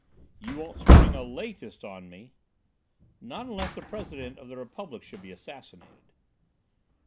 "You won't spring a 'latest' on me?" "Not unless the President of the Republic should be assassinated."